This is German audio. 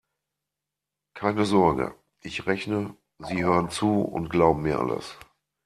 Keine Sorge: Ich rechne, Sie hören zu und glauben mir alles.